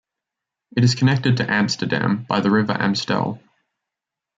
It is connected to Amsterdam by the river Amstel.